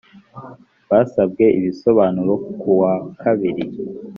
basabwe ibisobanuro ku wa kabiri